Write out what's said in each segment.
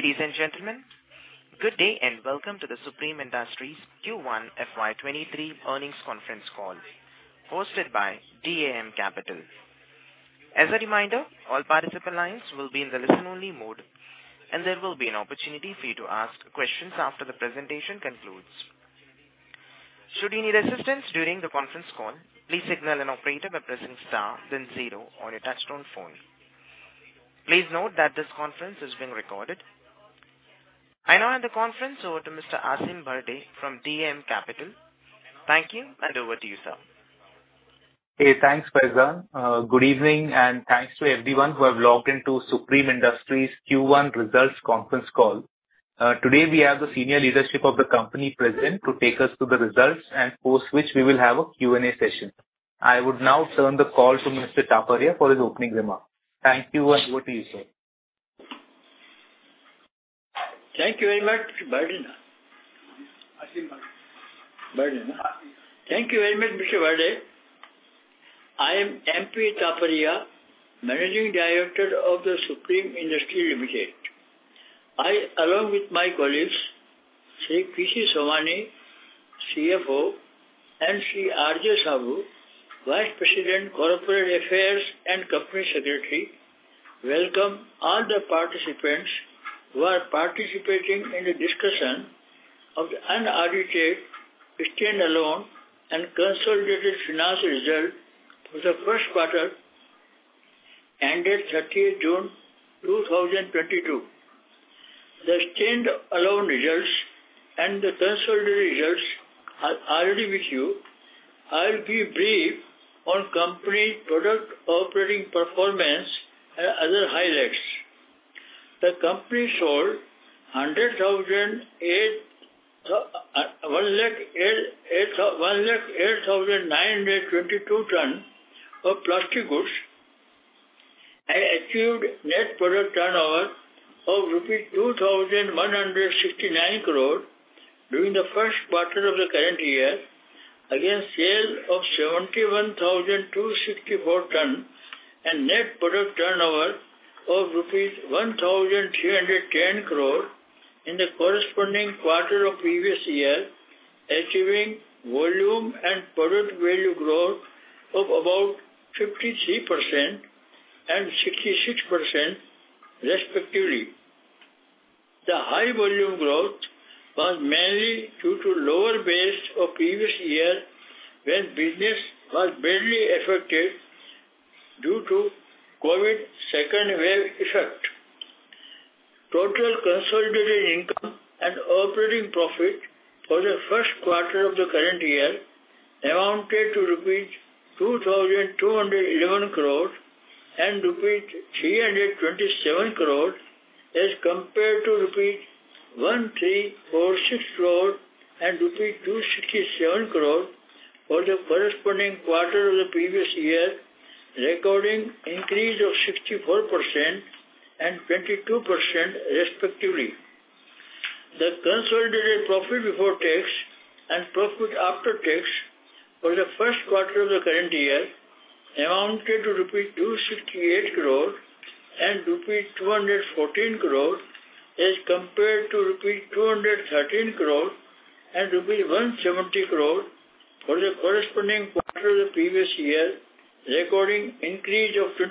Ladies and gentlemen, good day and welcome to the Supreme Industries Q1 FY 2023 earnings conference call hosted by DAM Capital. As a reminder, all participant lines will be in the listen-only mode, and there will be an opportunity for you to ask questions after the presentation concludes. Should you need assistance during the conference call, please signal an operator by pressing star then zero on your touchtone phone. Please note that this conference is being recorded. I now hand the conference over to Mr. Aasim Bharde from DAM Capital. Thank you, and over to you, sir. Hey, thanks, Farzan. Good evening and thanks to everyone who have logged into Supreme Industries Q1 results conference call. Today we have the senior leadership of the company present to take us through the results and post which we will have a Q&A session. I would now turn the call to Mr. Taparia for his opening remark. Thank you, and over to you, sir. Thaank you very much, Bharde. Aasim Bharde. Bharde, huh? Aasim. Thank you very much, Mr. Aasim Bharde. I am M.P. Taparia, Managing Director of The Supreme Industries Limited. I, along with my colleagues, Sri P.C. Somani, CFO, and Sri R.J. Saboo, Vice President, Corporate Affairs and Company Secretary, welcome all the participants who are participating in the discussion of the unaudited stand-alone and consolidated financial results for the first quarter ended 30 June 2022. The stand-alone results and the consolidated results are already with you. I'll be brief on company product operating performance and other highlights. The company sold 108,922 tons of plastic goods and achieved net product turnover of 2,169 crore during the first quarter of the current year against sale of 71,264 tons and net product turnover of rupees 1,310 crore in the corresponding quarter of previous year, achieving volume and product value growth of about 53% and 66% respectively. The high volume growth was mainly due to lower base of previous year when business was barely affected due to COVID second wave effect. Total consolidated income and operating profit for the first quarter of the current year amounted to rupees 2,211 crore and rupees 327 crore as compared to rupees 1,346 crore and rupees 267 crore for the corresponding quarter of the previous year, recording increase of 64% and 22% respectively. The consolidated profit before tax and profit after tax for the first quarter of the current year amounted to rupees 268 crore and rupees 214 crore as compared to rupees 213 crore and rupees 170 crore for the corresponding quarter of the previous year, recording increase of 26%.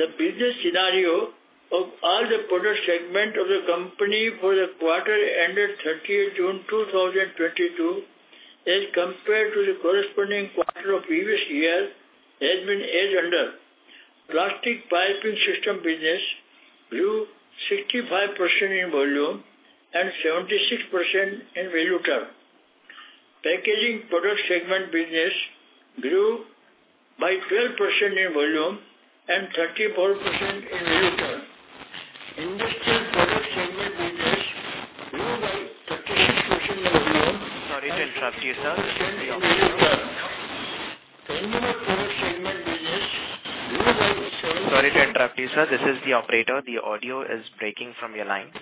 The business scenario of all the product segments of the company for the quarter ended 30th June 2022, as compared to the corresponding quarter of the previous year, has been as under. Plastic Piping System business grew 65% in volume and 76% in value terms. Packaging Products segment business grew by 12% in volume and 34% in value terms. Industrial Products segment business grew by 36% in volume and Consumer Products segment business grew by 70%. Sorry to interrupt you, sir. This is the operator. Sorry to interrupt you, sir. This is the operator. The audio is breaking from your line.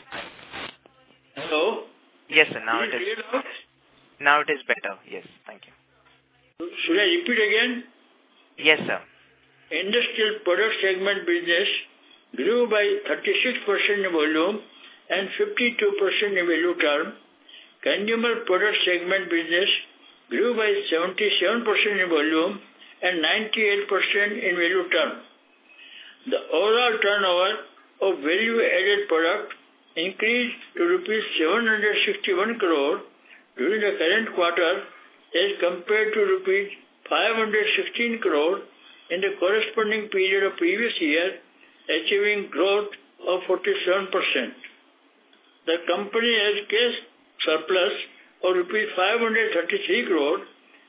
Hello? Yes, sir. Now it is. Can you hear now? Now it is better. Yes. Thank you. Should I repeat again? Yes, sir. Industrial Products segment business grew by 36% in volume and 52% in value terms. Consumer Products segment business grew by 77% in volume and 98% in value terms. The overall turnover of value-added products increased to rupees 761 crore during the current quarter as compared to rupees 516 crore in the corresponding period of previous year, achieving growth of 47%. The company has cash surplus of INR 533 crore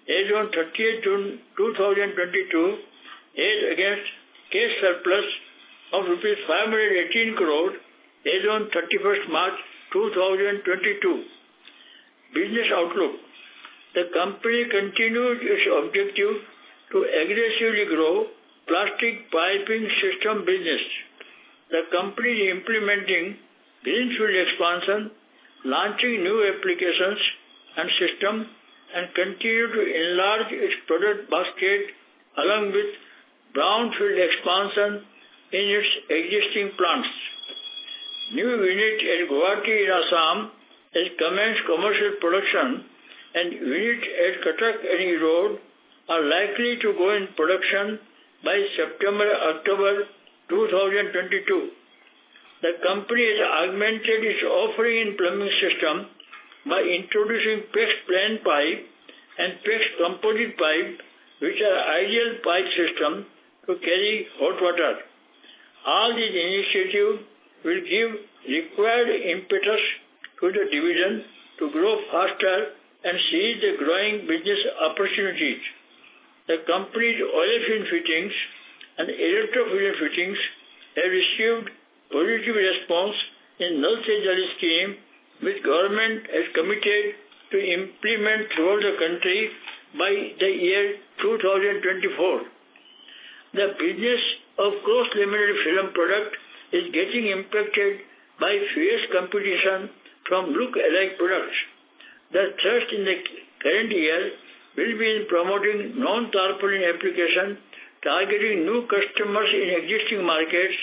as on 30th June 2022 as against cash surplus of INR 518 crore as on 31st March 2022. Business outlook. The company continued its objective to aggressively grow Plastic Piping System business. The company implementing greenfield expansion, launching new applications and systems and continuing to enlarge its product basket along with brownfield expansion in its existing plants. New unit in Guwahati in Assam has commenced commercial production, and unit at Cuttack & Erode are likely to go in production by September, October 2022. The company has augmented its offering in Plumbing System by introducing PEX plain pipe and PEX composite pipe, which are ideal pipe system to carry hot water. All these initiatives will give required impetus to the division to grow faster and seize the growing business opportunities. The company's olefin Fittings and Electro-fusion fittings have received positive response in Nal Se Jal scheme, which government has committed to implement throughout the country by the year 2024. The business of Cross-Laminated Film product is getting impacted by fierce competition from lookalike products. The thrust in the current year will be in promoting non-tarpaulin application, targeting new customers in existing markets,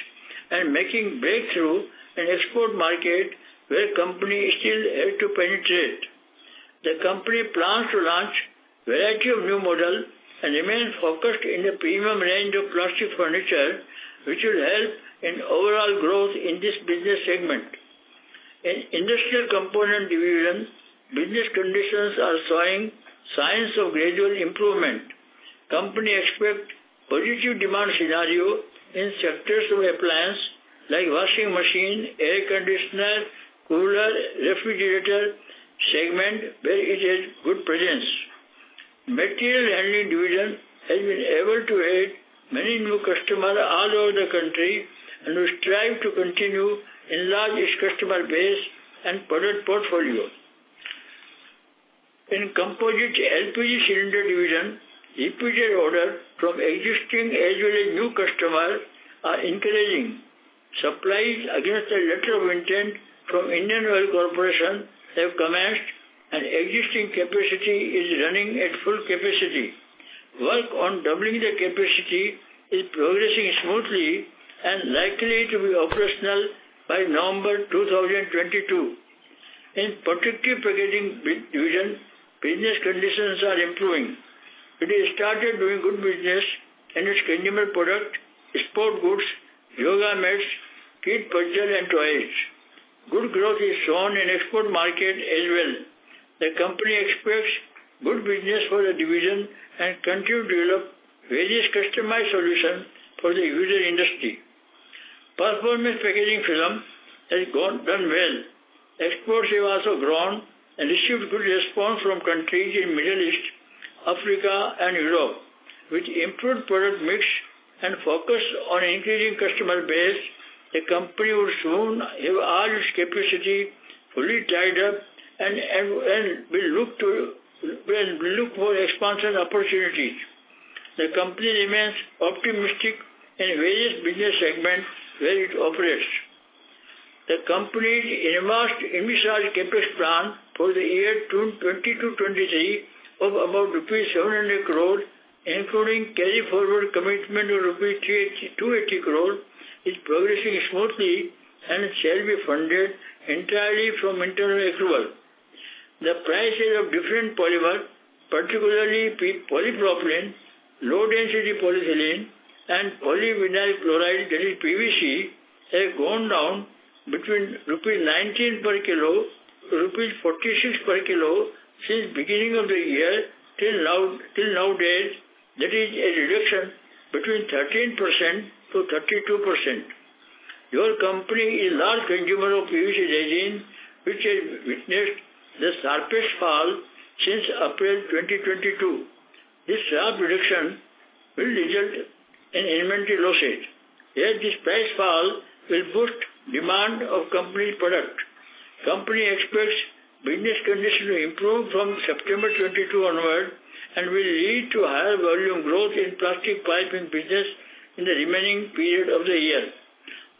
and making breakthrough in export market where company is still yet to penetrate. The company plans to launch variety of new model and remain focused in the premium range of plastic furniture, which will help in overall growth in this business segment. In Industrial Components division, business conditions are showing signs of gradual improvement. Company expect positive demand scenario in sectors of appliance like washing machine, air conditioner, cooler, refrigerator segment, where it has good presence. Material Handling division has been able to add many new customers all over the country, and we strive to continue enlarge its customer base and product portfolio. In composite LPG cylinder division, LPG orders from existing as well as new customers are encouraging. Supplies against the letter of intent from Indian Oil Corporation have commenced, and existing capacity is running at full capacity. Work on doubling the capacity is progressing smoothly and likely to be operational by November 2022. In Protective Packaging division, business conditions are improving. It has started doing good business in its consumer product, sports goods, yoga mats, pet bed, and toys. Good growth is shown in export market as well. The company expects good business for the division and continue to develop various customized solutions for the user industry. Performance Packaging Film has done well. Exports have also grown and received good response from countries in Middle East, Africa, and Europe. With improved product mix and focus on increasing customer base, the company will soon have all its capacity fully tied up and will look for expansion opportunities. The company remains optimistic in various business segments where it operates. The company's enhanced investment CapEx plan for the year June 2020 to 2023 of about INR 700 crore, including carry-forward commitment of INR 382 crore, is progressing smoothly and shall be funded entirely from internal accrual. The prices of different polymers, particularly polypropylene, low-density polyethylene, and polyvinyl chloride, that is PVC, have gone down between rupees 19 per kilo to rupees 46 per kilo since beginning of the year till now. That is a reduction between 13%-32%. Your company is large consumer of PVC resin, which has witnessed the sharpest fall since April 2022. This sharp reduction will result in inventory losses, as this price fall will boost demand of company product. Company expects business condition to improve from September 2022 onward and will lead to higher volume growth in Plastic Piping business in the remaining period of the year.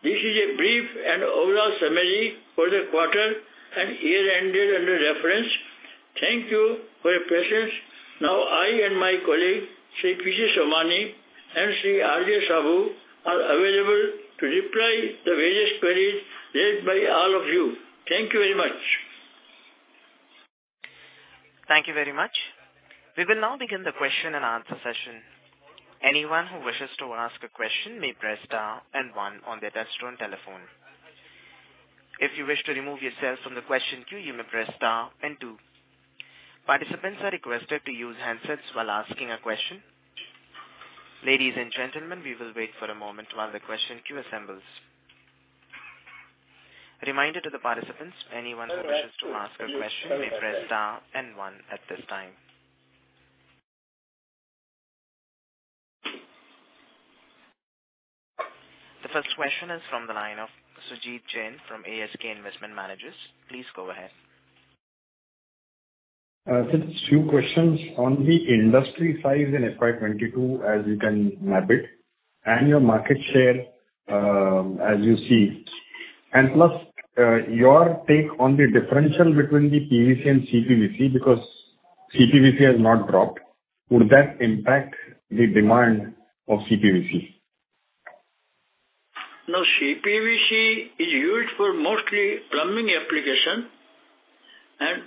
This is a brief and overall summary for the quarter and year ended under reference. Thank you for your presence. Now, I and my colleague, Sri P.C. Somani and Sri R.J. Saboo, are available to reply the various queries raised by all of you. Thank you very much. Thank you very much. We will now begin the question-and-answer session. Anyone who wishes to ask a question may press star and one on their touchtone telephone. If you wish to remove yourself from the question queue, you may press star and two. Participants are requested to use handsets while asking a question. Ladies and gentlemen, we will wait for a moment while the question queue assembles. Reminder to the participants, anyone who wishes to ask a question may press star and one at this time. The first question is from the line of Sujit Jain from ASK Investment Managers. Please go ahead. Since few questions on the industry size in FY 2022, as you can map it, and your market share, as you see. Your take on the differential between the PVC and CPVC, because CPVC has not dropped. Would that impact the demand of CPVC? No, CPVC is used for mostly plumbing application.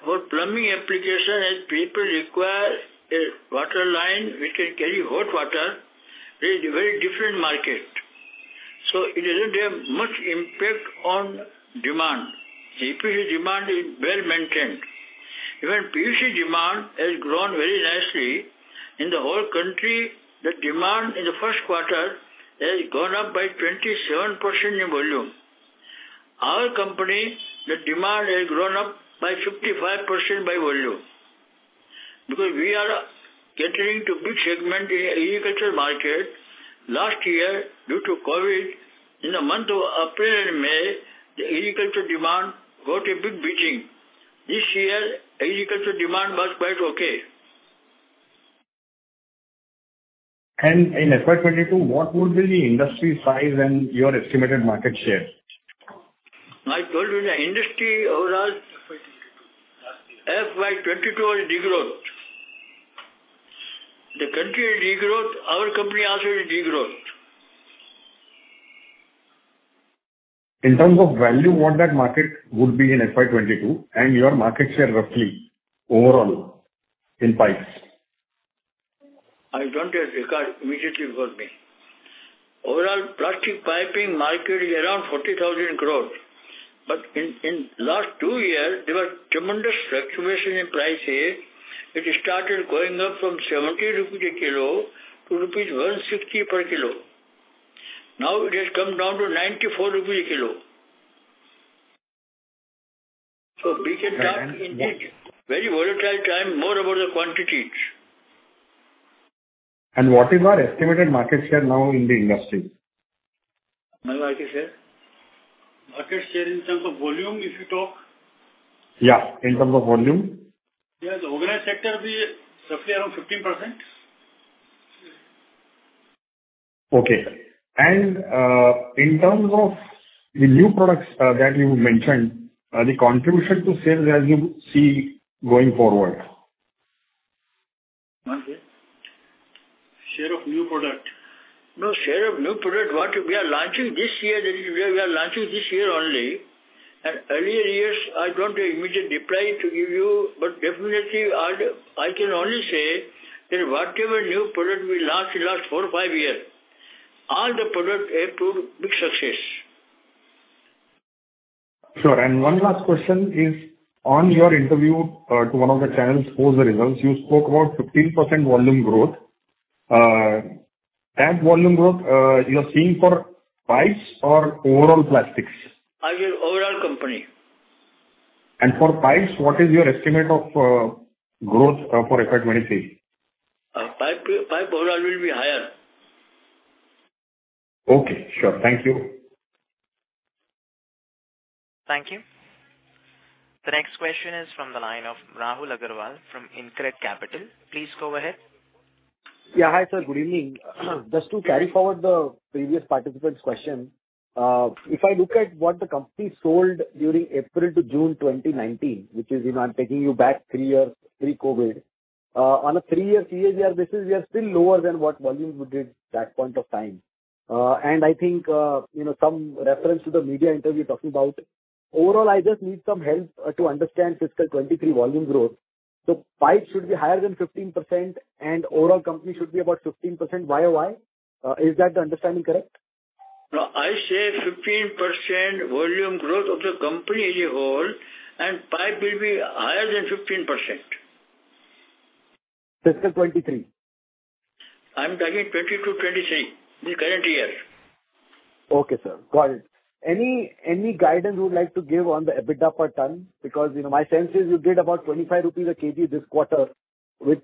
For plumbing application, as people require a water line which can carry hot water, that is a very different market. It doesn't have much impact on demand. CPVC demand is well-maintained. Even PVC demand has grown very nicely. In the whole country, the demand in the first quarter has gone up by 27% in volume. Our company, the demand has grown up by 55% by volume. Because we are catering to big segment in agricultural market. Last year, due to COVID, in the month of April and May, the agriculture demand got a big beating. This year, agriculture demand was quite okay. In FY 2022, what would be the industry size and your estimated market share? I told you, the industry overall. FY 2022. FY 2022 was degrowth. The country degrowth, our company also is degrowth. In terms of value, what that market would be in FY 2022 and your market share roughly overall in pipes? I don't recall. Immediately you got me. Overall, Plastic Piping market is around 40,000 crore. In last two years, there was tremendous fluctuation in prices. It started going up from 70 rupees a kilo to rupees 160 per kilo. Now, it has come down to 94 rupees a kilo. We can talk in this very volatile time more about the quantities. What is your estimated market share now in the industry? My market share? Market share in terms of volume, if you talk? Yeah, in terms of volume. Yeah, the organized sector will be roughly around 15%. Okay. In terms of the new products that you mentioned, the contribution to sales as you see going forward? Okay. Share of new product. No, share of new product. What we are launching this year, that is, we are launching this year only. Earlier years, I don't have immediate reply to give you, but definitely I'll, I can only say that whatever new product we launch in last four or five years, all the product have proved big success. Sure. One last question is on your interview to one of the channels, post the results, you spoke about 15% volume growth. That volume growth you're seeing for pipes or overall plastics? I mean, overall company. For pipes, what is your estimate of growth for FY 2023? Pipe overall will be higher. Okay. Sure. Thank you. Thank you. The next question is from the line of Rahul Agarwal from InCred Capital. Please go ahead. Yeah. Hi, sir. Good evening. Mm-hmm. Just to carry forward the previous participant's question, if I look at what the company sold during April to June 2019, which is, you know, I'm taking you back three years, pre-COVID. On a three-year CAGR basis, we are still lower than what volume we did that point of time. I think, you know, some reference to the media interview you're talking about. Overall, I just need some help to understand fiscal 2023 volume growth. Pipes should be higher than 15% and overall company should be about 15% YoY. Is that the understanding correct? No, I say 15% volume growth of the company as a whole and pipe will be higher than 15%. Fiscal 2023. I'm targeting 2022, 2023, the current year. Okay, sir. Got it. Any guidance you would like to give on the EBITDA per ton? Because, you know, my sense is you did about 25 rupees a kg this quarter, which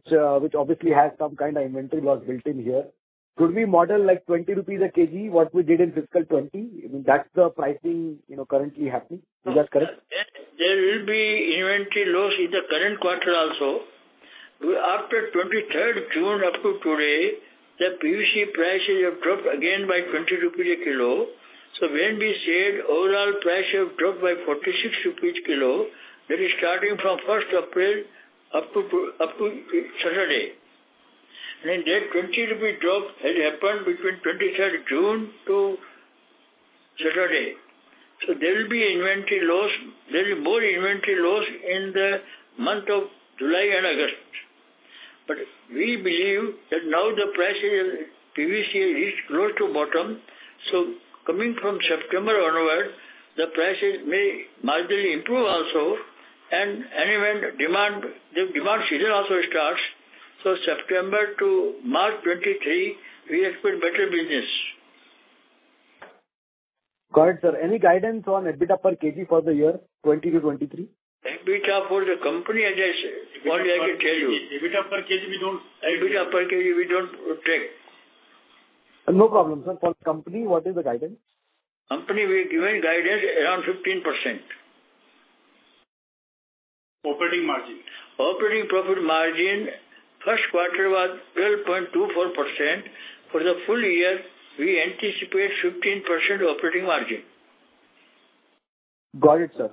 obviously has some kind of inventory loss built in here. Could we model, like, 20 rupees a kg, what we did in fiscal 2020? I mean, that's the pricing, you know, currently happening. Is that correct? There will be inventory loss in the current quarter also. After 23rd June up to today, the PVC prices have dropped again by 20 rupees a kilo. When we said overall price have dropped by 46 rupees kilo, that is starting from 1st April up to Saturday. That 20 rupee drop has happened between 23rd June to Saturday. There will be inventory loss. There will be more inventory loss in the month of July and August. We believe that now the price is, PVC is close to bottom. Coming from September onward, the prices may moderately improve also. Anyway, the demand season also starts. September to March 2023, we expect better business. Got it, sir. Any guidance on EBITDA per kg for the year 2020-2023? EBITDA for the company as such, what I can tell you. EBITDA per kg, we don't. EBITDA per kg we don't take. No problem, sir. For company, what is the guidance? Company, we've given guidance around 15%. Operating margin. Operating profit margin first quarter was 12.24%. For the full year, we anticipate 15% operating margin. Got it, sir.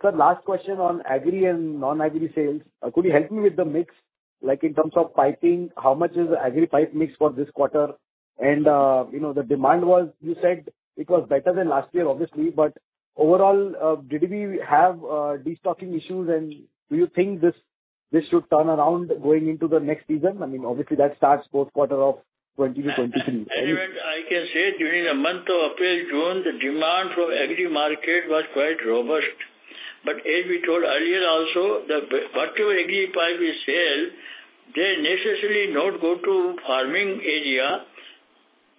Sir, last question on agri and non-agri sales. Could you help me with the mix, like in terms of piping, how much is agri pipe mix for this quarter? You know, the demand was, you said it was better than last year, obviously. Overall, did we have destocking issues and do you think this should turn around going into the next season? I mean, obviously that starts fourth quarter of 2023. I can say during the month of April, June, the demand for agri market was quite robust. As we told earlier also, the whatever agri pipe we sell, they necessarily don't go to farming area.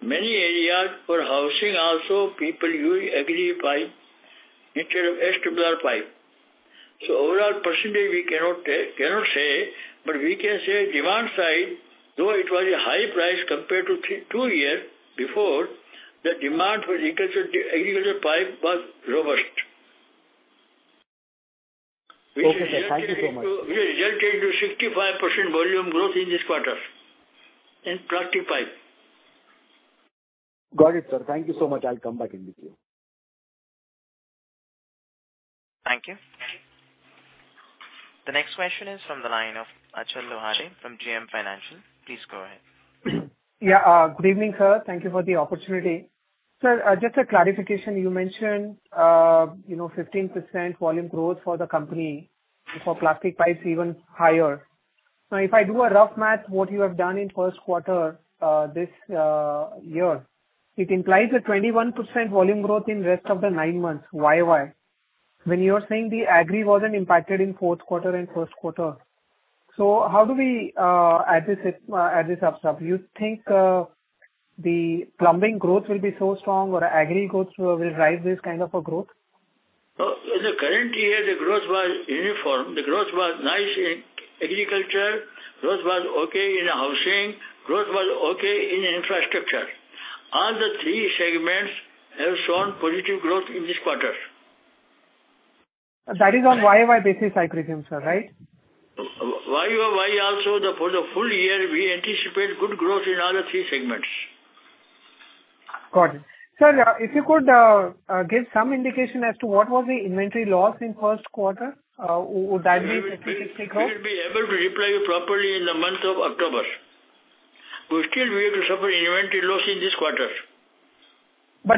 Many areas for housing also people use agri pipe instead of SWR pipe. Overall percentage we cannot cannot say, but we can say demand side, though it was a high price compared to two year before, the demand for agriculture, agricultural pipe was robust. Okay, sir. Thank you so much. Which resulted into 65% volume growth in this quarter in Plastic Pipe. Got it, sir. Thank you so much. I'll come back in with you. Thank you. The next question is from the line of Achal Lohade from JM Financial. Please go ahead. Yeah. Good evening, sir. Thank you for the opportunity. Sir, just a clarification. You mentioned, you know, 15% volume growth for the company, for Plastic Pipes even higher. Now, if I do a rough math, what you have done in first quarter, this year, it implies a 21% volume growth in rest of the nine months YoY. When you are saying the agri wasn't impacted in fourth quarter and first quarter, how do we assess it, sir? Do you think the plumbing growth will be so strong or agri growth will drive this kind of a growth? No. In the current year, the growth was uniform. The growth was nice in agriculture, growth was okay in housing, growth was okay in infrastructure. All the three segments have shown positive growth in this quarter. That is on YoY basis, I presume, sir, right? YoY also, for the full year we anticipate good growth in all the three segments. Got it. Sir, if you could give some indication as to what was the inventory loss in first quarter. Would that be a specific? We will be able to reply you properly in the month of October. We still will suffer inventory loss in this quarter.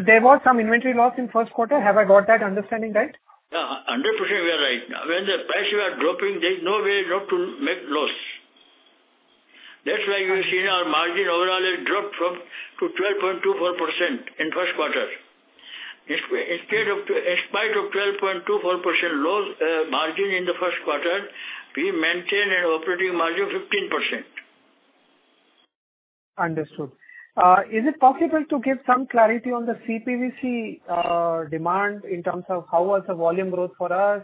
There was some inventory loss in first quarter. Have I got that understanding right? Yeah, 100% you are right. When the prices are dropping, there's no way not to make loss. That's why you see our margin overall is dropped to 12.24% in first quarter. In spite of 12.24% loss margin in the first quarter, we maintain an operating margin of 15%. Understood. Is it possible to give some clarity on the CPVC demand in terms of how was the volume growth for us?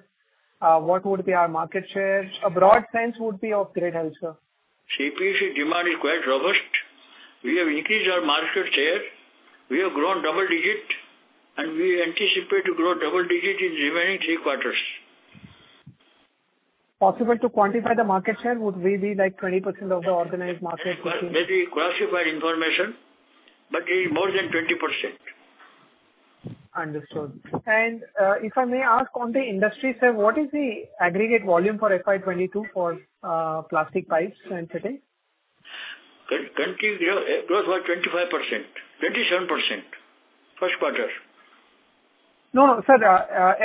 What would be our market share? A broad sense would be of great help, sir. CPVC demand is quite robust. We have increased our market share. We have grown double-digit, and we anticipate to grow double-digit in remaining three quarters. Possible to quantify the market share? Would we be like 20% of the organized market? Well, maybe classified information, but it is more than 20%. Understood. If I may ask on the industry side, what is the aggregate volume for FY 2022 for Plastic Pipes and fittings? It was what? 25%. 27%. First quarter. No, sir,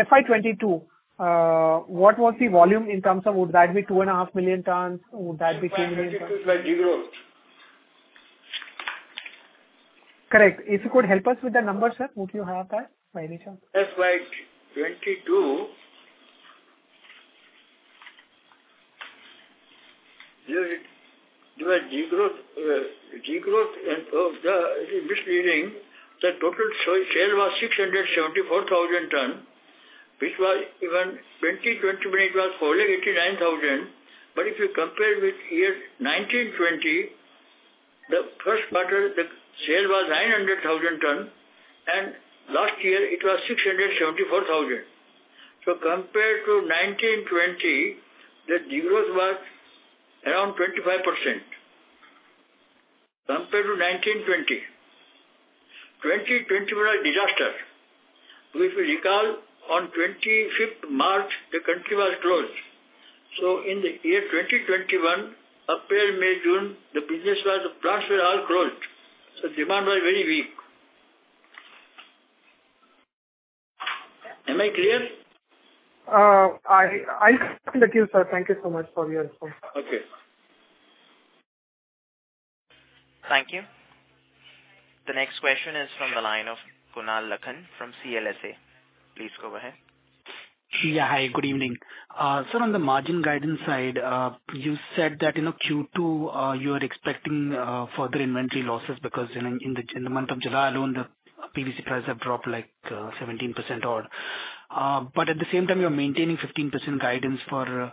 FY 2022. What was the volume in terms of? Would that be 2.5 million tons? Would that be. Correct. If you could help us with the numbers, sir, would you have that by any chance? FY 2022. There was degrowth and it is misleading. The total sale was 674,000 tons, which was, even in 2021, it was only 89,000 tons. If you compare with year 2019-2020, the first quarter the sale was 900,000 tons, and last year it was 674,000 tons. Compared to 2019-2020, the degrowth was around 25%. Compared to 2019-2020. 2021 was a disaster, which we recall, on 25th March the country was closed. In the year 2021, April, May, June, the plants were all closed, so demand was very weak. Am I clear? I understand that, sir. Thank you so much for your info. Okay. Thank you. The next question is from the line of Kunal Lakhan from CLSA. Please go ahead. Hi, good evening. Sir, on the margin guidance side, you said that in the Q2, you are expecting further inventory losses because in the month of July alone, the PVC prices have dropped like 17% odd. At the same time, you're maintaining 15% guidance for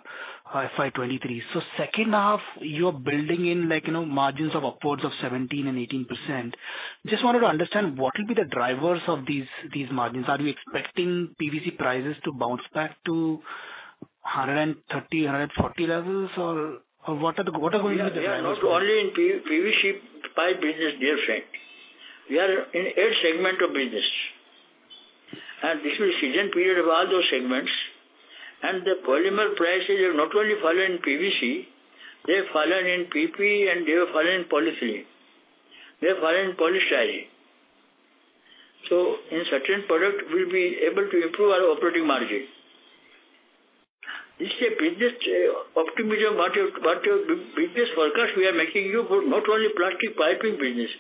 FY 2023. Second half, you're building in, like, you know, margins of upwards of 17% and 18%. Just wanted to understand what will be the drivers of these margins. Are you expecting PVC prices to bounce back to 130-140 levels or what are going to be the drivers? We are not only in PVC pipe business, dear friend. We are in eight segments of business. This is seasonal period of all those segments, and the polymer prices have not only fallen in PVC, they have fallen in PP, and they have fallen in polythene. They have fallen in polystyrene. In certain products we'll be able to improve our operating margin. This is a business optimism, what your business forecast we are making you for not only Plastic Piping business.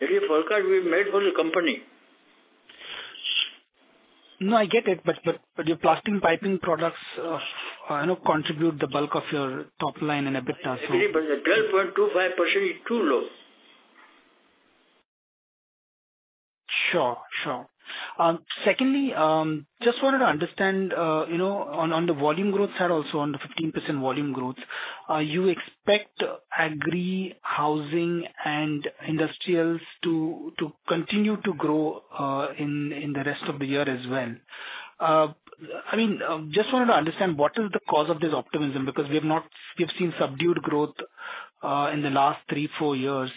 It is forecast we made for the company. No, I get it, but your Plastic Piping products, I know, contribute the bulk of your top line and EBITDA. Agreed, but the 12.25% is too low. Sure. Secondly, just wanted to understand, you know, on the volume growth side also, on the 15% volume growth, you expect agri, housing, and industrials to continue to grow in the rest of the year as well. I mean, just wanted to understand what is the cause of this optimism because we've seen subdued growth in the last three, four years.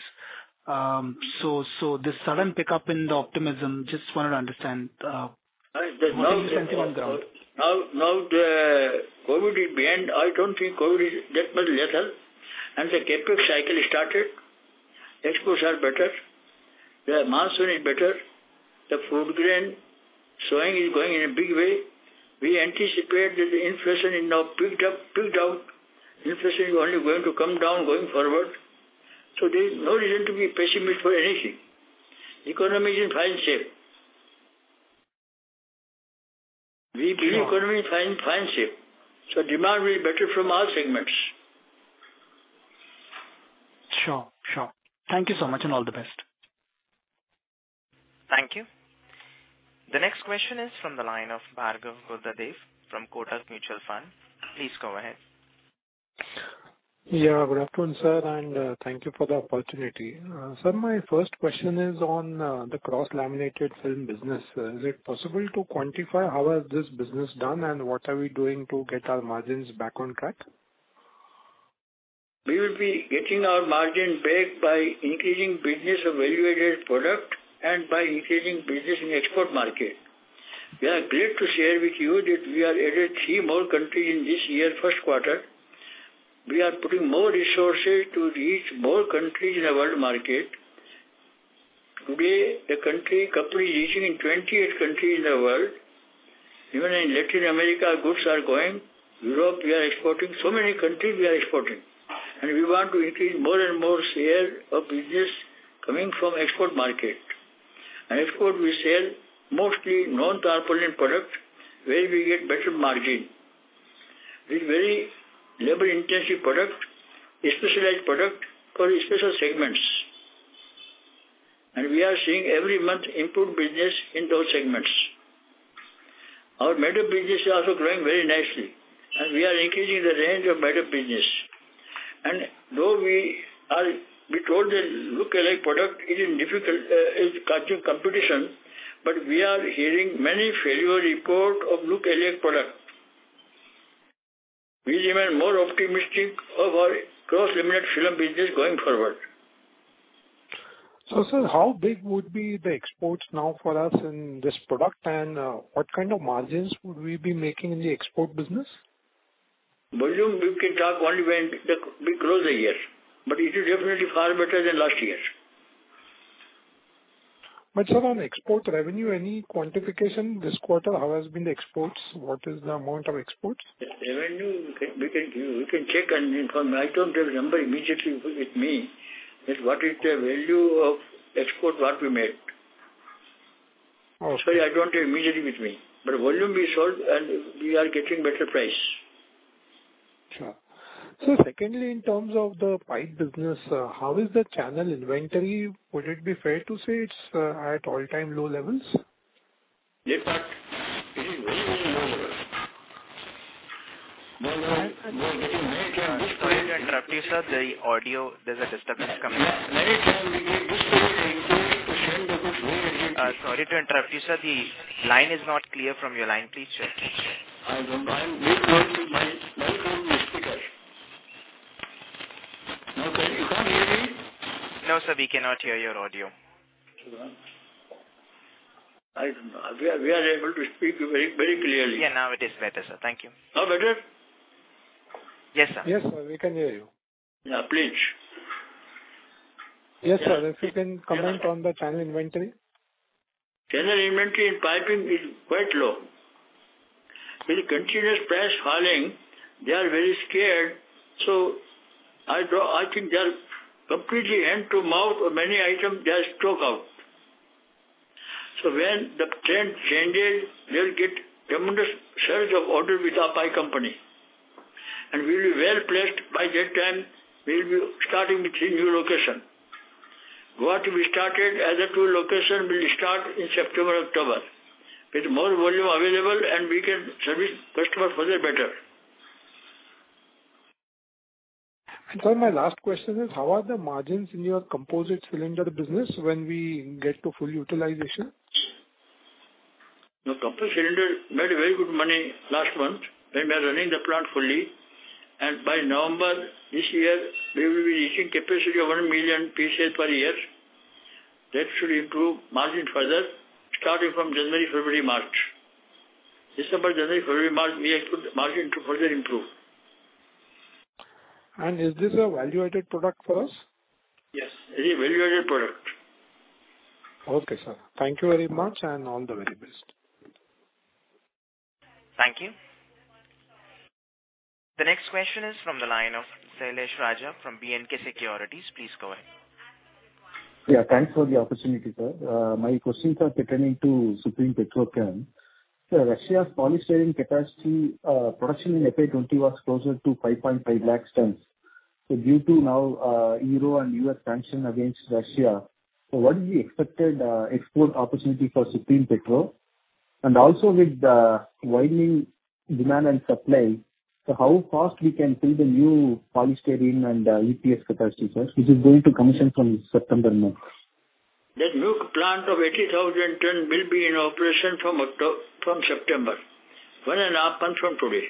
So this sudden pickup in the optimism, just wanted to understand what is the sentiment on ground. Now the COVID is behind. I don't think COVID is that much lethal. The CapEx cycle is started. Exports are better. The monsoon is better. The food grain sowing is going in a big way. We anticipate that the inflation is now peaked out. Inflation is only going to come down going forward. There's no reason to be pessimistic for anything. Economy is in fine shape. We believe. Sure. Economy is in fine shape, so demand will be better from all segments. Sure. Sure. Thank you so much, and all the best. Thank you. The next question is from the line of Bhargav Buddhadev from Kotak Mutual Fund. Please go ahead. Yeah, good afternoon, sir, and thank you for the opportunity. Sir, my first question is on the Cross-Laminated Film business. Is it possible to quantify how has this business done, and what are we doing to get our margins back on track? We will be getting our margin back by increasing business of value-added product and by increasing business in export market. We are glad to share with you that we are added three more countries in this year first quarter. We are putting more resources to reach more countries in the world market. Today, the company is reaching in 28 countries in the world. Even in Latin America, our goods are going. Europe, we are exporting. So many countries we are exporting. We want to increase more and more share of business coming from export market. Export we sell mostly non-tarpaulin product, where we get better margin. It's very labor-intensive product, a specialized product for special segments. We are seeing every month improved business in those segments. Our mattress business is also growing very nicely, and we are increasing the range of mattress business. We're told that lookalike product, it is difficult, is causing competition, but we are hearing many failure reports of lookalike product. We are even more optimistic of our Cross-Laminated Film business going forward. Sir, how big would be the exports now for us in this product? What kind of margins would we be making in the export business? Volume we can talk only when we close the year, but it is definitely far better than last year. Sir, on export revenue, any quantification this quarter? How has been the exports? What is the amount of exports? Revenue, we can check and inform. I don't have the number immediately with me, that, what is the value of export, what we made. Okay. Sorry, I don't have immediately with me. Volume we sold, and we are getting better price. Sure. Secondly, in terms of the Pipe business, how is the channel inventory? Would it be fair to say it's at all-time low levels? In fact, it is very, very low levels. I More getting very good. Sorry to interrupt you, sir. The audio, there's a disturbance coming. Many times we get this query from 20% of low inventory. Sorry to interrupt you, sir. The line is not clear from your line. Please check. I don't know. I am with my phone on speaker. Now can you hear me? No, sir, we cannot hear your audio. I don't know. We are able to speak very, very clearly. Yeah, now it is better, sir. Thank you. Now better? Yes, sir. Yes, sir. We can hear you. Yeah, please. Yes, sir. If you can comment on the channel inventory. Channel inventory in Piping is quite low. With continuous prices falling, they are very scared. I think they are completely hand-to-mouth on many items they have stock out. When the trend changes, they'll get tremendous surge of orders with our Piping company. By that time, we'll be starting the three new locations. What we started as two locations will start in September, October. With more volume available and we can service customers further better. Sir, my last question is, how are the margins in your composite cylinder business when we get to full utilization? The composite cylinder made very good money last month when we are running the plant fully. By November this year we will be reaching capacity of 1 million pieces per year. That should improve margin further, starting from January, February, March. December, January, February, March, we expect margin to further improve. Is this a value-added product for us? Yes. It is value-added product. Okay, sir. Thank you very much and all the very best. Thank you. The next question is from the line of Shailesh Raja from B&K Securities. Please go ahead. Yeah, thanks for the opportunity, sir. My questions are pertaining to Supreme Petrochem. Sir, Russia's polystyrene capacity production in FY 2020 was closer to 5.5 lakh tons. Due to the EU and U.S. sanctions against Russia, what is the expected export opportunity for Supreme Petrochem? With the widening demand-supply, how fast we can ramp up the new polystyrene and EPS capacity, sir, which is going to commission from September month? That new plant of 80,000 tons will be in operation from September. 1.5 months from today.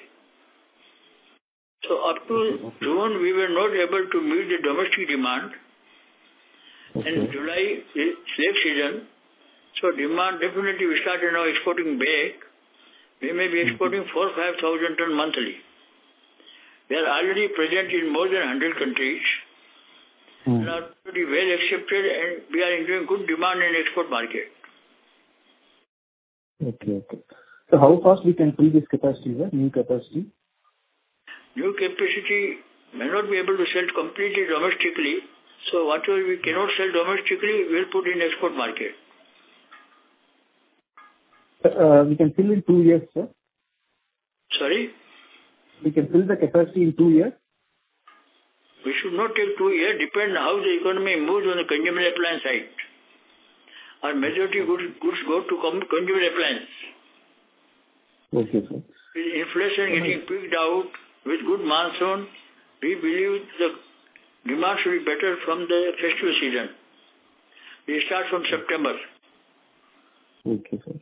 Up to June, we were not able to meet the domestic demand. Okay. July is slow season, so demand definitely we started now exporting back. We may be exporting 4,000-5,000 tons monthly. We are already present in more than 100 countries. Mm-hmm. Are pretty well accepted, and we are enjoying good demand in export market. Okay. How fast we can pull this capacity, sir, new capacity? New capacity may not be able to sell completely domestically. Whatever we cannot sell domestically, we'll put in export market. Sir, we can fill in two years, sir? Sorry? We can fill the capacity in two years? We should not take two years. Depends how the economy moves on the consumer appliance side. Our majority goods go to consumer appliance. Okay, sir. With inflation getting peaked out, with good monsoon, we believe the demand should be better from the festival season. We start from September. Okay, sir.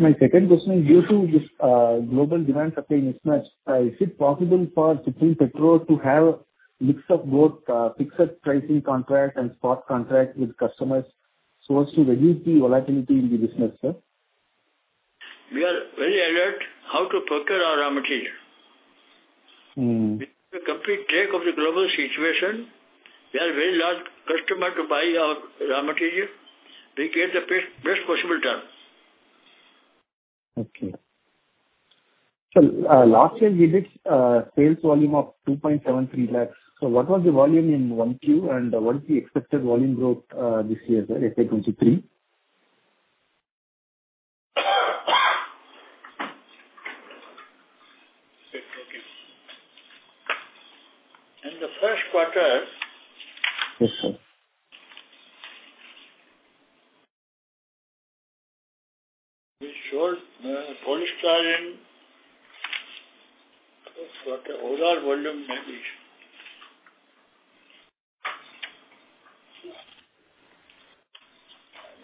My second question is, due to this, global demand supply mismatch, is it possible for Supreme Petrochem to have mix of both, fixed pricing contract and spot contract with customers so as to reduce the volatility in the business, sir? We are very alert how to procure our raw material. Mm-hmm. With the complete track of the global situation, we are very large customer to buy our raw material. We get the best possible terms. Okay. Sir, last year you did sales volume of 2.73 lakh. What was the volume in 1Q and what's the expected volume growth this year, sir, FY 2023? Sorry, okay. In the first quarter. Yes, sir. We sold polystyrene. What the overall volume may be.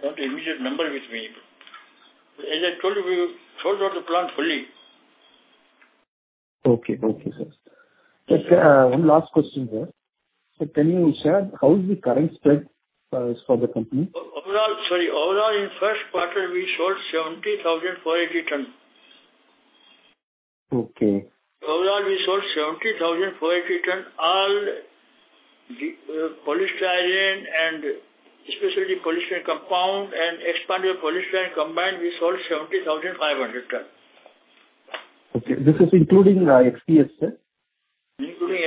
Not the immediate number with me. As I told you, we sold out the plant fully. Okay, sir. Just, one last question, sir. Sir, can you share how is the current spread, for the company? Overall, in first quarter we sold 70,480 tons. Okay. Overall, we sold 70,480 tons. All the polystyrene and especially polystyrene compound and expanded polystyrene combined, we sold 70,500 tons. Okay. This is including XPS, sir? Including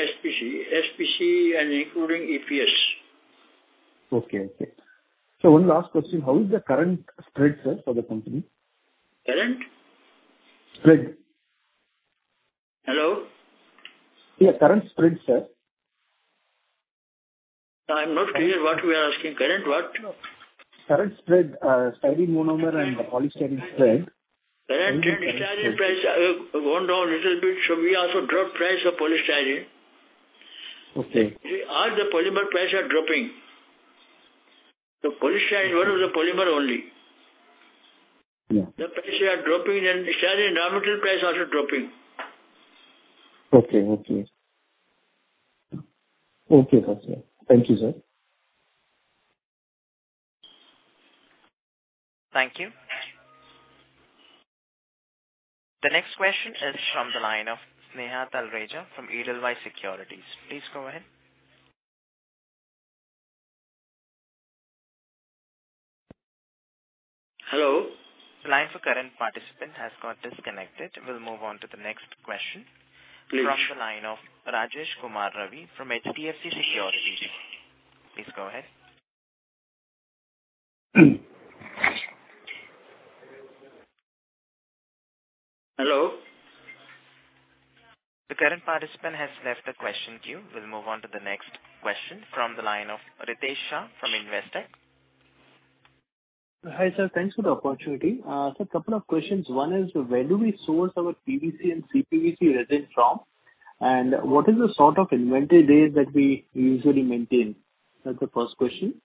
SPC and including EPS. Okay. One last question. How is the current spread, sir, for the company? Current? Spread. Hello? Yeah, current spread, sir. I'm not clear what you are asking. Current what? Current spread, styrene monomer and polystyrene spread. Current spread, styrene price went down little bit, so we also dropped price of polystyrene. Okay. All the polymer prices are dropping. The polystyrene one is a polymer only. Yeah. The prices are dropping and styrene monomer price also dropping. Okay, sir. Thank you, sir. Thank you. The next question is from the line of Sneha Talreja from Edelweiss Securities. Please go ahead. Hello? Line for current participant has got disconnected. We'll move on to the next question. Please. From the line of Rajesh Kumar Ravi from HDFC Securities. Please go ahead. Hello. The current participant has left the question queue. We'll move on to the next question from the line of Ritesh Shah from Investec. Hi, sir. Thanks for the opportunity. Couple of questions. One is. Where do we source our PVC and CPVC resins from, and what is the sort of inventory days that we usually maintain? That's the first question.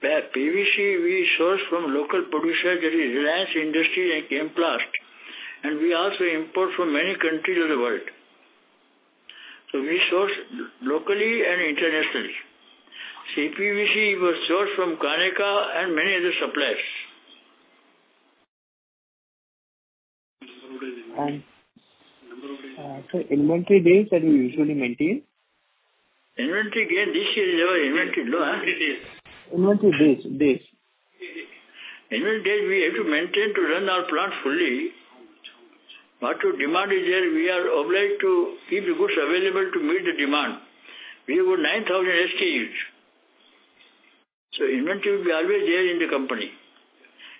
The PVC we source from local producer, that is Reliance Industries and MPlast. We also import from many countries of the world. We source locally and internationally. CPVC we source from Kaneka and many other suppliers. Inventory days that you usually maintain? Inventory days, this year is our inventory low. Inventory days. Inventory days we have to maintain to run our plant fully. What the demand is there, we are obliged to keep the goods available to meet the demand. We have 9,000 SKUs, so inventory will be always there in the company.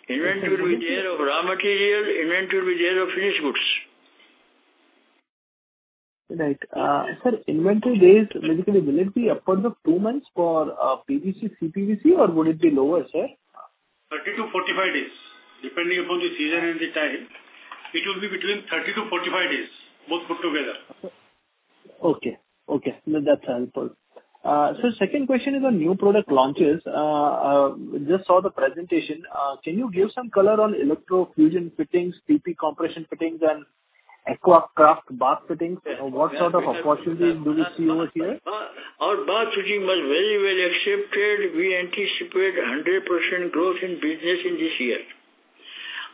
Okay. Inventory will be there of raw material, inventory will be there of finished goods. Right. Sir, inventory days, basically will it be upwards of two months for PVC, CPVC, or would it be lower, sir? 30 days-45 days, depending upon the season and the time. It will be between 30 days-45 days, both put together. Okay. No, that's helpful. Second question is on new product launches. Just saw the presentation. Can you give some color on Electro-fusion fittings, PP compression fittings and AquaKraft bath fittings? What sort of opportunity do you see over here? Our bath fitting was very well accepted. We anticipate 100% growth in business in this year.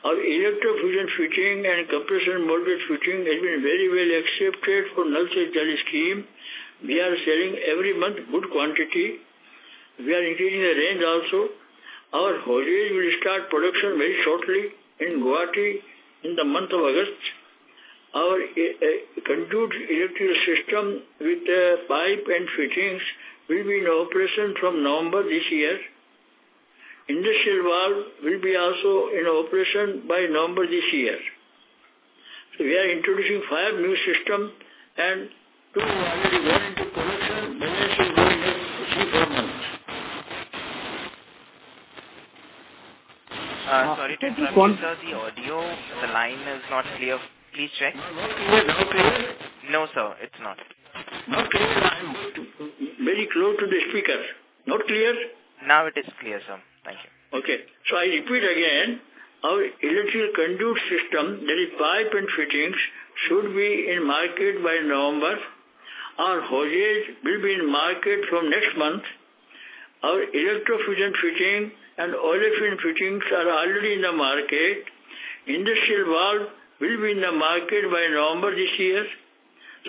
Our Electro-fusion fitting and compression molded fitting has been very well accepted for Nal se Jal scheme. We are selling every month good quantity. We are increasing the range also. Our hose will start production very shortly in Guwahati in the month of August. Our conduit electrical system with pipe and fittings will be in operation from November this year. Industrial valve will be also in operation by November this year. We are introducing five new system and two already went into production. Rest will go in next three, four months. Sorry to interrupt, sir. The audio, the line is not clear. Please check. Not clear? No, sir, it's not. Not clear, sir. I am very close to the speaker. Not clear? Now it is clear, sir. Thank you. Okay. I repeat again, our electrical conduit system, that is pipe and fittings, should be in market by November. Our hose will be in market from next month. Our Electro-fusion fitting and olefin Fittings are already in the market. Industrial valve will be in the market by November this year.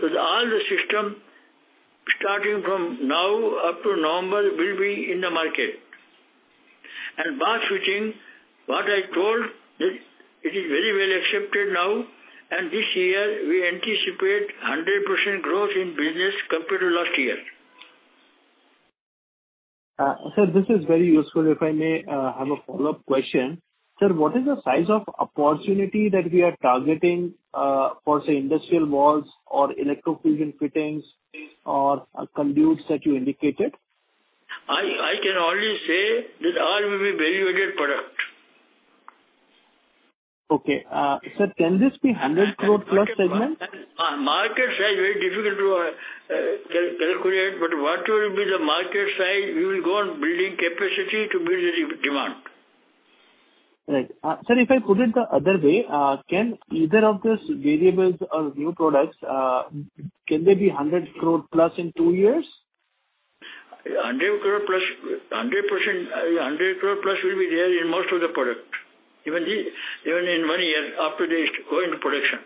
All the system, starting from now up to November, will be in the market. Bath fitting, what I told, that it is very well accepted now, and this year we anticipate 100% growth in business compared to last year. Sir, this is very useful. If I may, have a follow-up question. Sir, what is the size of opportunity that we are targeting, for, say, industrial valves or Electro-fusion fittings or conduits that you indicated? I can only say that all will be very valid product. Okay. Sir, can this be 100 crore+ segment? Market size very difficult to calculate, but whatever will be the market size, we will go on building capacity to build the demand. Right, sir, if I put it the other way, can either of these variables or new products be 100 crore+ in two years? 100 crore+, 100%, 100 crore+ will be there in most of the product, even in one year after they go into production.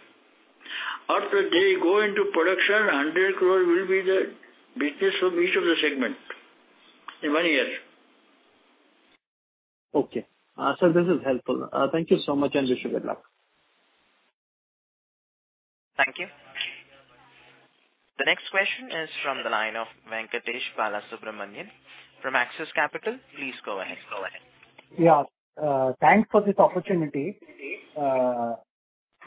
After they go into production, 100 crore will be the business of each of the segment in one year. Okay. Sir, this is helpful. Thank you so much, and wish you good luck. Thank you. The next question is from the line of Venkatesh Balasubramanian from Axis Capital. Please go ahead. Yeah. Thanks for this opportunity.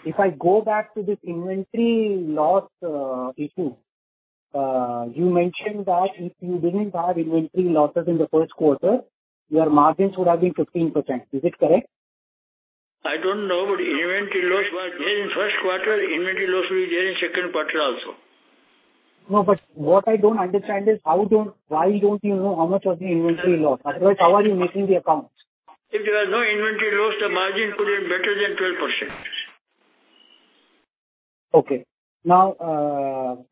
If I go back to this inventory loss issue, you mentioned that if you didn't have inventory losses in the first quarter, your margins would have been 15%. Is it correct? I don't know, but inventory loss was there in first quarter, inventory loss will be there in second quarter also. No, but what I don't understand is why don't you know how much was the inventory loss? Otherwise, how are you making the accounts? If there was no inventory loss, the margin could have been better than 12%. Okay. Now,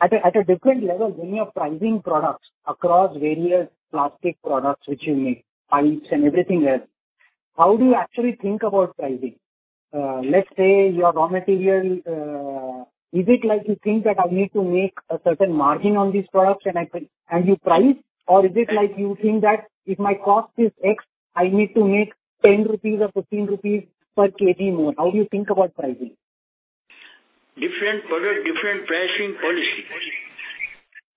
at a different level, when you are pricing products across various plastic products which you make, pipes and everything else, how do you actually think about pricing? Let's say your raw material, is it like you think that I need to make a certain margin on these products and you price? Or is it like you think that if my cost is X, I need to make 10 rupees or 15 rupees per kg more? How do you think about pricing? Different product, different pricing policy.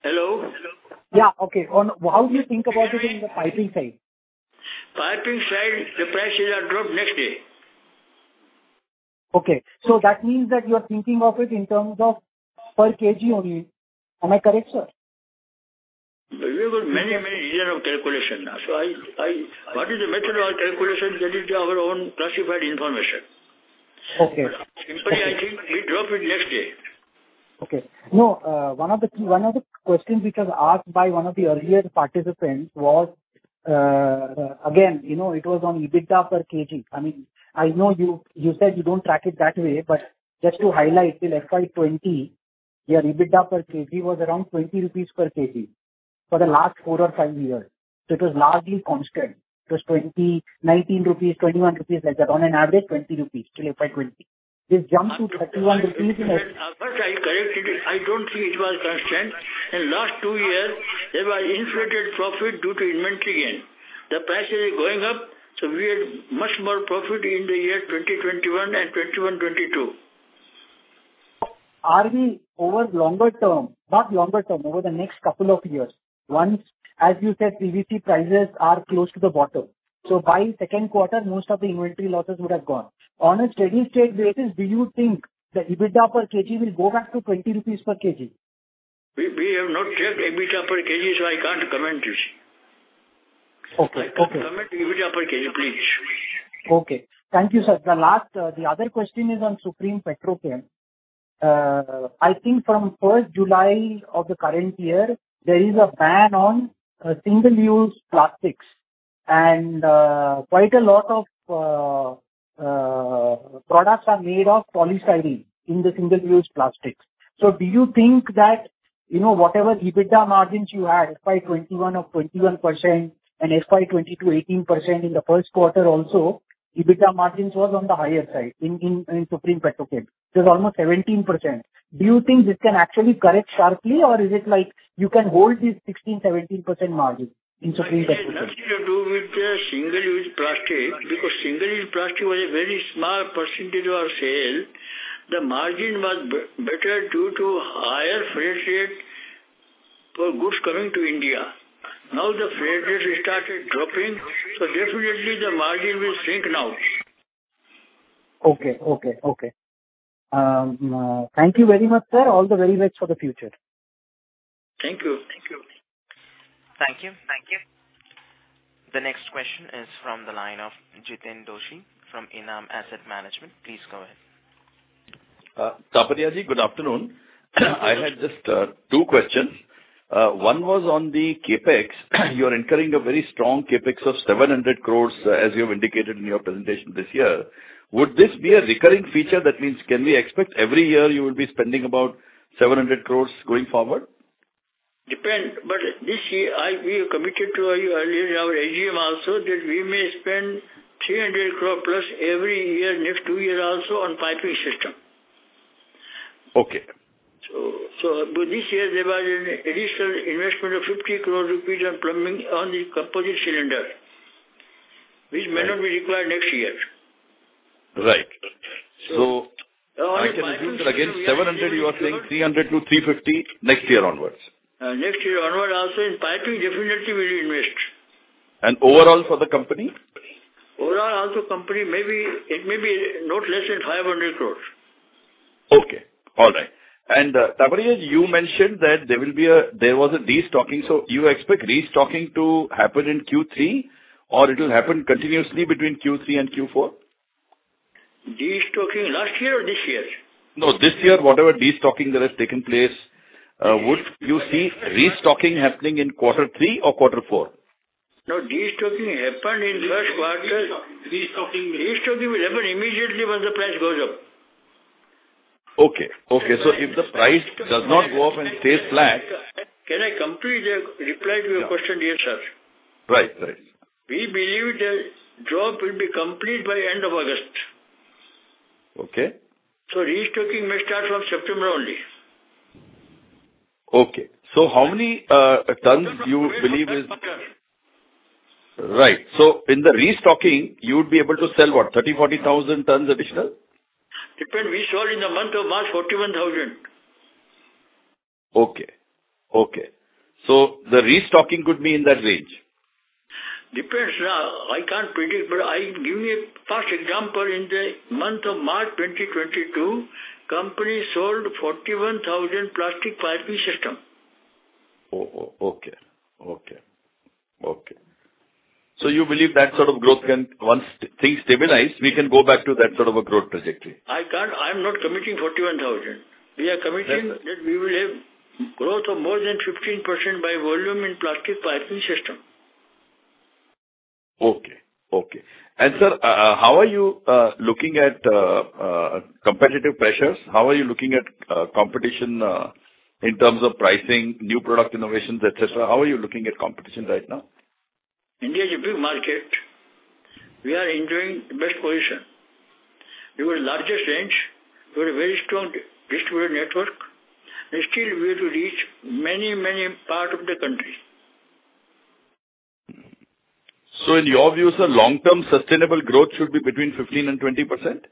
Hello? Yeah. Okay. How do you think about it in the Piping side? Piping side, the prices are dropped next day. Okay. That means that you are thinking of it in terms of per kg only. Am I correct, sir? There were many, many years of calculation. What is the method of our calculation, that is our own classified information. Okay. Simply, I think we drop it next day. No, one of the questions which was asked by one of the earlier participants was, again, you know, it was on EBITDA per kg. I mean, I know you said you don't track it that way, but just to highlight, till FY 2020, your EBITDA per kg was around 20 rupees per kg for the last four or five years. It was largely constant. It was 20, 19 rupees, 21 rupees like that. On an average, 20 rupees till FY 2020. This jumped to 31 rupees in. I corrected it. I don't think it was constant. In last two years, there were inflated profit due to inventory gain. The prices are going up, so we had much more profit in the year 2021 and 2021, 2022. Over the next couple of years, once, as you said, PVC prices are close to the bottom. By second quarter, most of the inventory losses would have gone. On a steady state basis, do you think the EBITDA per kg will go back to 20 rupees per kg? We have not checked EBITDA per kg, so I can't comment, you see. Okay. Okay. I can't comment EBITDA per kg, please. Okay. Thank you, sir. The last, the other question is on Supreme Petrochem. I think from 1st July of the current year, there is a ban on single-use plastics and quite a lot of products are made of polystyrene in the single-use plastics. Do you think that, you know, whatever EBITDA margins you had, FY 2021 of 21% and FY 2022 18% in the first quarter also, EBITDA margins was on the higher side in Supreme Petrochem. It was almost 17%. Do you think this can actually correct sharply, or is it like you can hold these 16%-17% margin in Supreme Petrochem? It has nothing to do with the single-use plastic, because single-use plastic was a very small percentage of our sale. The margin was better due to higher freight rate for goods coming to India. Now the freight rate has started dropping, so definitely the margin will shrink now. Okay. Thank you very much, sir. All the very best for the future. Thank you. Thank you. The next question is from the line of Jiten Doshi from Enam Asset Management. Please go ahead. Taparia ji, good afternoon. I had just two questions. One was on the CapEx. You're incurring a very strong CapEx of 700 crore, as you have indicated in your presentation this year. Would this be a recurring feature? That means, can we expect every year you will be spending about 700 crore going forward? Depends. This year we have committed to you earlier in our AGM also that we may spend 300 crore+ every year, next two years also on Piping system. Okay. This year there was an additional investment of 50 crore rupees on plumbing, on the composite cylinder. This may not be required next year. Right. I can assume that again, 700 crore, you are saying 300 crore-350 crore next year onwards. Next year onward also in Piping, definitely we'll invest. Overall for the company? Overall, the company may be not less than 500 crores. Okay. All right. Taparia ji, you mentioned that there was a destocking. You expect restocking to happen in Q3, or it'll happen continuously between Q3 and Q4? Destocking last year or this year? No, this year, whatever destocking that has taken place, would you see restocking happening in quarter three or quarter four? No, destocking happened in first quarter. Destocking will happen immediately when the price goes up. Okay. If the price does not go up and stays flat. Can I complete the reply to your question here, sir? Right. Right. We believe the drop will be complete by end of August. Okay. Restocking may start from September only. Okay. How many tons do you believe? Right. In the restocking, you'd be able to sell what, 30,000 tons-40,000 tons additional? We sold in the month of March 41,000 tons. Okay. The restocking could be in that range. Depends. I can't predict, but I give you a past example. In the month of March 2022, company sold 41,000 tons Plastic Piping System. Okay. You believe that sort of growth can, once things stabilize, we can go back to that sort of a growth trajectory? I'm not committing 41,000 tons. We are committing. That's- That we will have growth of more than 15% by volume in Plastic Piping System. Okay. Sir, how are you looking at competitive pressures? How are you looking at competition in terms of pricing, new product innovations, et cetera? How are you looking at competition right now? India is a big market. We are enjoying best position. We have a largest range. We have a very strong distributor network, and still we have to reach many, many part of the country. In your view, sir, long-term sustainable growth should be between 15% and 20%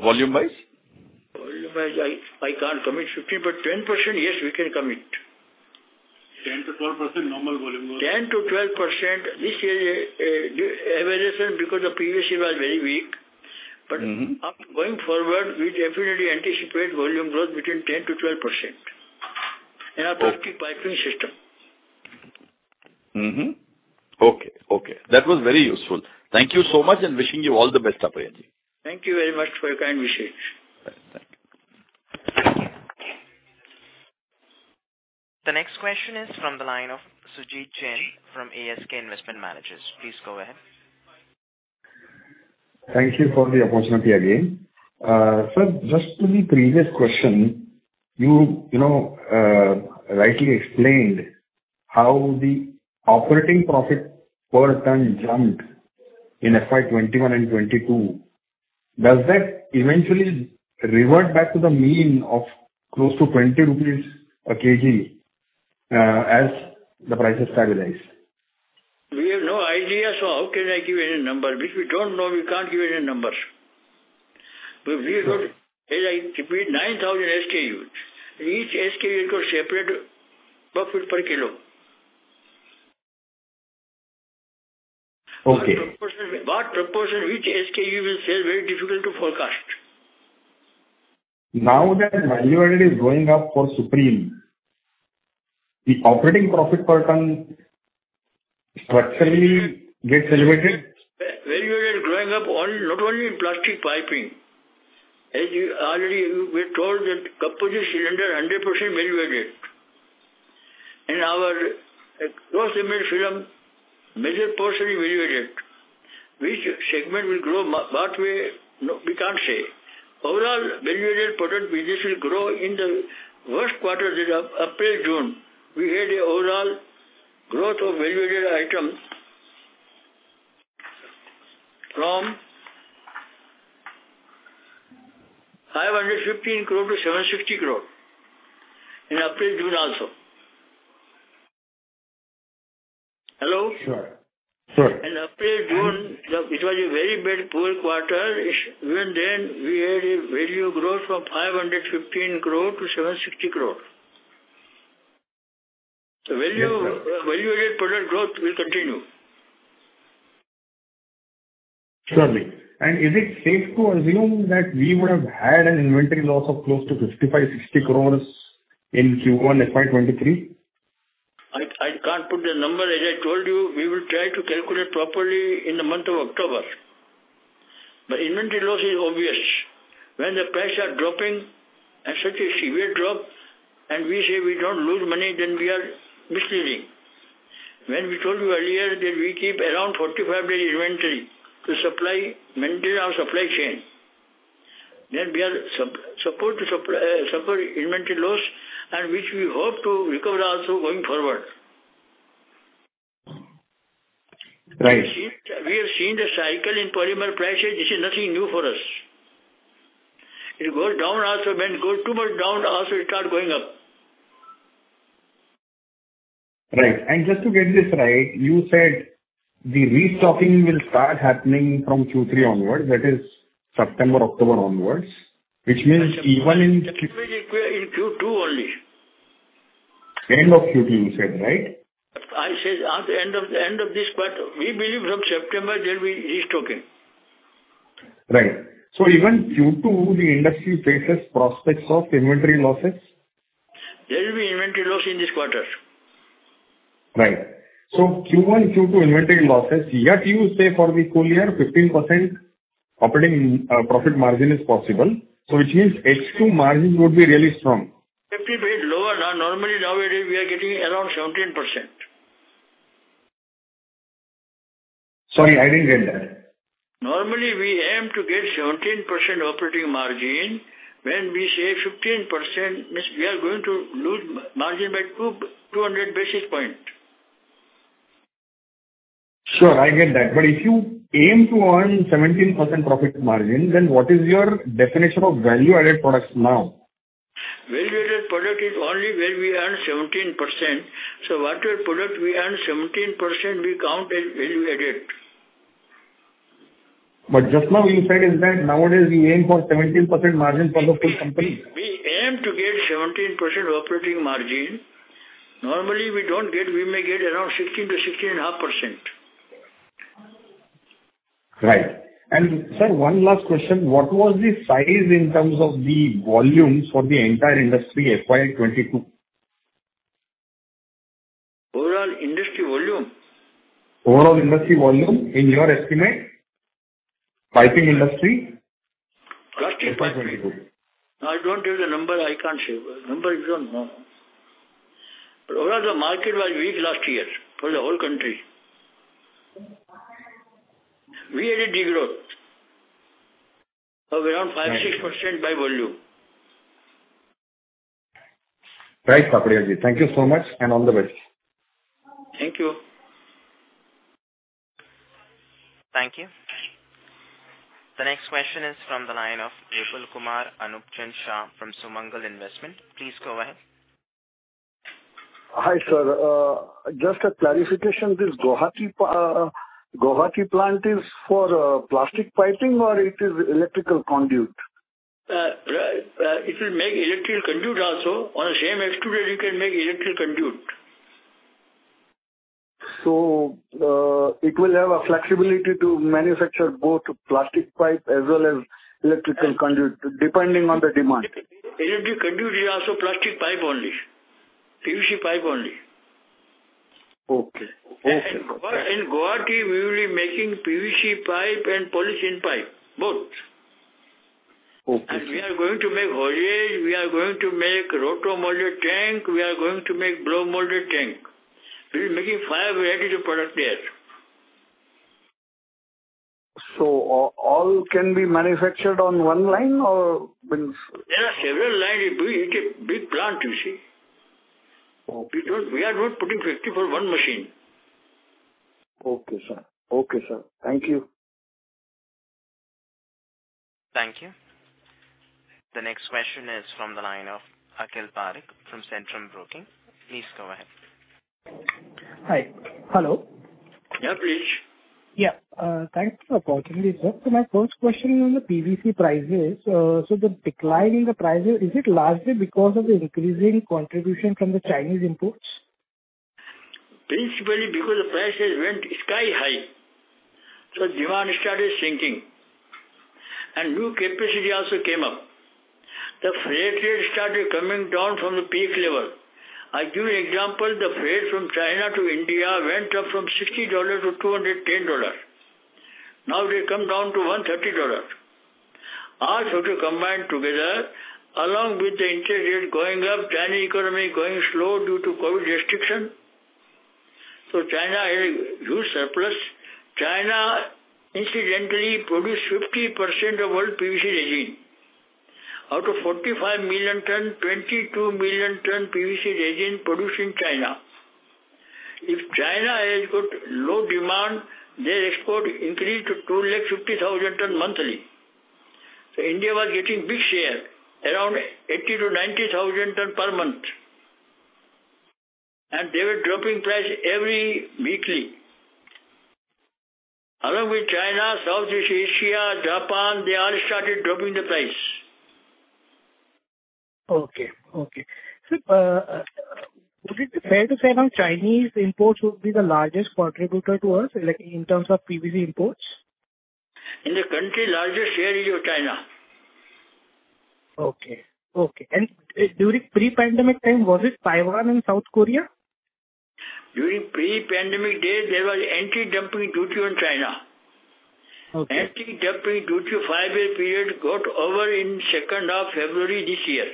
volume-wise? Volume-wise, I can't commit 15%, but 10%, yes, we can commit. 10%-12% normal volume growth. 10%-12%, this is a variation because the previous year was very weak. Mm-hmm. Going forward, we definitely anticipate volume growth between 10%-12%. Okay. In our Plastic Piping System. That was very useful. Thank you so much, and wishing you all the best, Taparia ji. Thank you very much for your kind wishes. Thank you. The next question is from the line of Sujit Jain from ASK Investment Managers. Please go ahead. Thank you for the opportunity again. Sir, just to the previous question, you know, rightly explained how the operating profit per ton jumped in FY 2021 and 2022. Does that eventually revert back to the mean of close to 20 rupees a kg, as the prices stabilize? We have no idea, so how can I give any number? Which we don't know, we can't give any numbers. We've got, as I told you, 9,000 SKUs. Each SKU got separate profit per kilo. Okay. What proportion each SKU will sell, very difficult to forecast. Now that value added is going up for Supreme, the operating profit per ton structurally gets elevated? Value added is going up, not only in Plastic Piping. As we already told that composite cylinder 100% value added. In our Cross-Laminated Film, major portion is value added. Which segment will grow, what way, no, we can't say. Overall, value-added product business will grow. In the first quarter, that is April-June, we had an overall growth of value-added items from INR 515 crore to INR 760 crore, in April-June also. Hello? Sure. Sure. In April, June, it was a very bad, poor quarter. Even then, we had a value growth from 515 crore to 760 crore. Fantastic. The value-added product growth will continue. Surely. Is it safe to assume that we would have had an inventory loss of close to 55 crore-60 crore in Q1 FY 2023? I can't put the number. As I told you, we will try to calculate properly in the month of October. Inventory loss is obvious. When the prices are dropping at such a severe drop, and we say we don't lose money, then we are misleading. When we told you earlier that we keep around 45 days inventory to supply, maintain our supply chain, then we are supposed to suffer inventory loss, which we hope to recover also going forward. Right. We have seen the cycle in polymer prices. This is nothing new for us. It goes down also. When it goes too much down also, it start going up. Right. Just to get this right, you said the restocking will start happening from Q3 onwards, that is September, October onwards, which means even in- That will require in Q2 only. End of Q2 you said, right? I said at the end of this quarter. We believe from September there'll be restocking. Right. Even Q2, the industry faces prospects of inventory losses? There will be inventory loss in this quarter. Right. Q1, Q2 inventory losses, yet you say for the full year, 15% operating profit margin is possible. Which means H2 margins would be really strong. [15% basis] lower. Normally nowadays we are getting around 17%. Sorry, I didn't get that. Normally, we aim to get 17% operating margin. When we say 15%, means we are going to lose margin by 200 basis points. Sure, I get that. If you aim to earn 17% profit margin, then what is your definition of value-added products now? Value-added product is only where we earn 17%. Whatever product we earn 17%, we count as value added. Just now you said is that nowadays we aim for 17% margin for the full company. We aim to get 17% operating margin. Normally we don't get, we may get around 16%-16.5%. Right. Sir, one last question. What was the size in terms of the volumes for the entire industry, FY 2022? Overall industry volume? Overall industry volume, in your estimate, Piping industry. Plastic Piping. FY 2022. I don't have the number. I can't say. Number we don't know. Overall the market was weak last year for the whole country. We had a decline of around 5%-6% by volume. Right, Taparia ji. Thank you so much, and all the best. Thank you. Thank you. The next question is from the line of Vipul Kumar Anopchand Shah from Sumangal Investment. Please go ahead. Hi, sir. Just a clarification. This Guwahati plant is for Plastic Piping or it is electrical conduit? It will make electrical conduit also. On the same extruder, you can make electrical conduit. It will have a flexibility to manufacture both Plastic Pipe as well as electrical conduit, depending on the demand. Electrical conduit and also Plastic Pipe only. PVC pipe only. Okay. Okay. In Guwahati, we will be making PVC pipe and polyethylene pipe, both. Okay, sir. We are going to make furniture, we are going to make rotomolded tank, we are going to make blow-molded tank. We are making five variety of product there. All can be manufactured on one line or, I mean. There are several lines. It's a big plant, you see. Okay. Because we are not putting for one machine. Okay, sir. Thank you. Thank you. The next question is from the line of Akhil Parekh from Centrum Broking. Please go ahead. Hi. Hello. Yeah, Akhil. Yeah. Thanks for the opportunity, sir. My first question on the PVC prices. The decline in the prices, is it largely because of the increasing contribution from the Chinese imports? Principally because the prices went sky high, so demand started shrinking. New capacity also came up. The freight rate started coming down from the peak level. I give you example, the freight from China to India went up from $60 to $210. Now they come down to $130. All factor combined together, along with the interest rate going up, Chinese economy going slow due to COVID restriction. China has huge surplus. China incidentally produce 50% of world PVC resin. Out of 45 million tons, 22 million tons PVC resin produced in China. If China has got low demand, their export increase to 250,000 tons monthly. India was getting big share, around 80,000 tons-90,000 tons per month, and they were dropping price every weekly. Along with China, Southeast Asia, Japan, they all started dropping the price. Okay, would it be fair to say now Chinese imports would be the largest contributor to us, like, in terms of PVC imports? In the country, largest share is of China. Okay. During pre-pandemic time, was it Taiwan and South Korea? During pre-pandemic days, there was anti-dumping duty on China. Okay. Anti-dumping duty five-year period got over in second half February this year.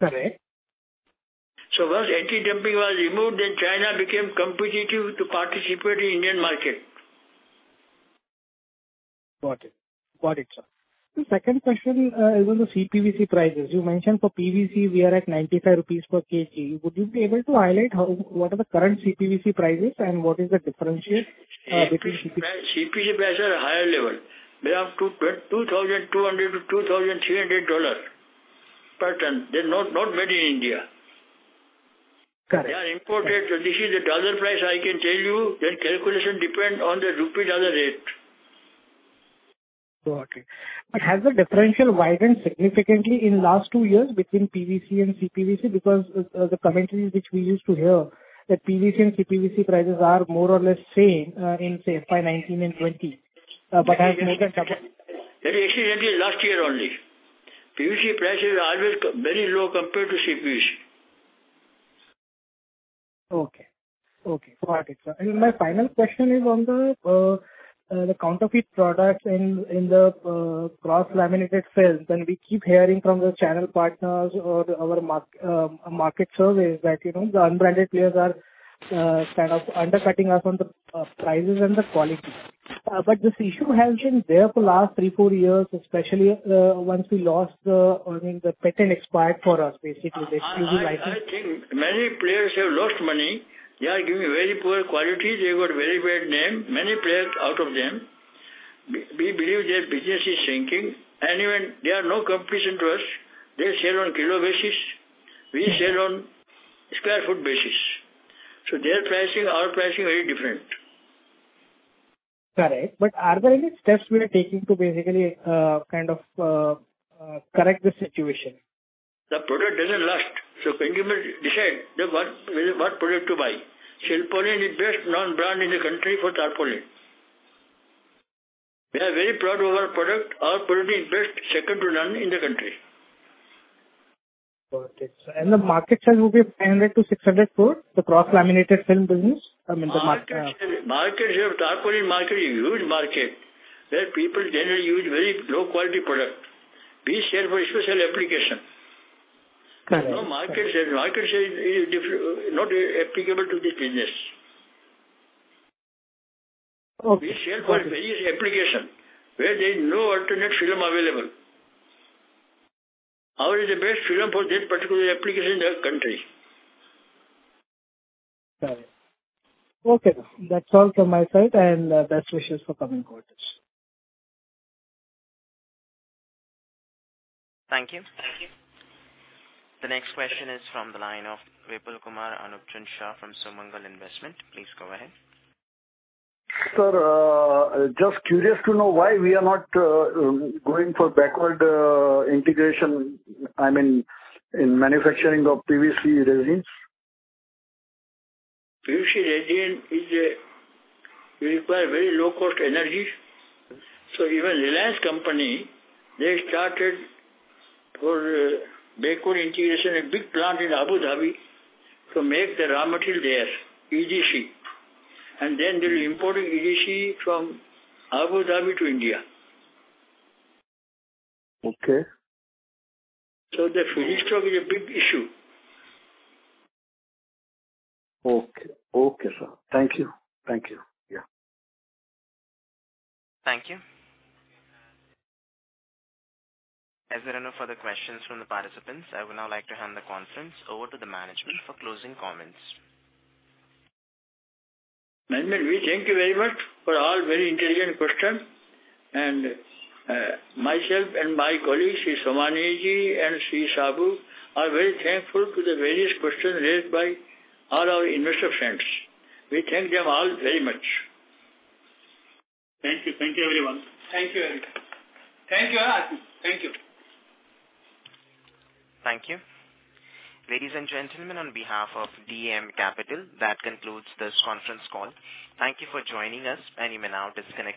Correct. Once anti-dumping was removed, then China became competitive to participate in Indian market. Got it, sir. The second question was the CPVC prices. You mentioned for PVC we are at 95 rupees per kg. Would you be able to highlight what are the current CPVC prices and what is the difference between- CPVC prices are higher level. They're up to $22,200-$2,300 per ton. They're not made in India. Correct. They are imported, so this is the U.S. dollar price I can tell you, then calculation depends on the rupee-dollar rate. Got it. Has the differential widened significantly in last two years between PVC and CPVC? Because the commentary which we used to hear that PVC and CPVC prices are more or less same in say FY 2019 and 2020. That is incidentally last year only. PVC prices are always very low compared to CPVC. Okay. Got it, sir. My final question is on the counterfeit products in the Cross-Laminated Films, and we keep hearing from the channel partners or our market surveys that, you know, the unbranded players are kind of undercutting us on the prices and the quality. This issue has been there for last three, four years, especially once we lost the, I mean, the patent expired for us basically. This UV lighting. I think many players have lost money. They are giving very poor quality. They got very bad name, many players out of them. We believe their business is shrinking and even they are no competition to us. They sell on kilo basis. Mm-hmm. We sell on square feet basis. Their pricing, our pricing very different. Correct. Are there any steps we are taking to basically, kind of, correct the situation? The product doesn't last. Consumers decide what, really what product to buy. Silpaulin is the best known brand in the country for tarpaulin. We are very proud of our product. Our product is best, second to none in the country. Got it. The market share will be 500 crore-600 crore, the Cross-Laminated Film business? I mean the market, Market share of tarpaulin market is huge market, where people generally use very low quality product. We sell for a special application. Correct. No market share. Market share is not applicable to this business. Okay. Got it. We sell for various applications where there's no alternative film available. Ours is the best film for that particular application in the country. Got it. Okay, that's all from my side, and best wishes for coming quarters. Thank you. The next question is from the line of Vipul Kumar Anopchand Shah from Sumangal Investment. Please go ahead. Sir, just curious to know why we are not going for backward integration, I mean, in manufacturing of PVC resins. PVC resin requires very low cost energy. Even Reliance company, they started for backward integration, a big plant in Abu Dhabi to make the raw material there, EDC. Then they're importing EDC from Abu Dhabi to India. Okay. The feedstock is a big issue. Okay, sir. Thank you. Yeah. Thank you. As there are no further questions from the participants, I would now like to hand the conference over to the management for closing comments. We thank you very much for all very intelligent question. Myself and my colleagues, P.C. Somani ji and R.J. Saboo, are very thankful to the various questions raised by all our investor friends. We thank them all very much. Thank you. Thank you, everyone. Thank you. Thank you. Ladies and gentlemen, on behalf of DAM Capital, that concludes this conference call. Thank you for joining us, and you may now disconnect your.